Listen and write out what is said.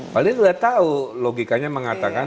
pak wali udah tahu logikanya mengatakan